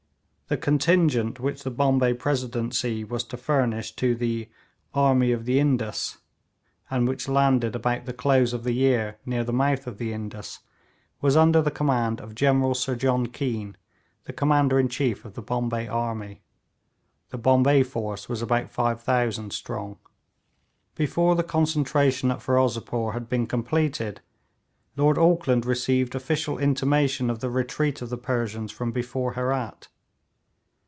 The contingent which the Bombay Presidency was to furnish to the 'Army of the Indus,' and which landed about the close of the year near the mouth of the Indus, was under the command of General Sir John Keane, the Commander in Chief of the Bombay army. The Bombay force was about 5000 strong. Before the concentration at Ferozepore had been completed, Lord Auckland received official intimation of the retreat of the Persians from before Herat.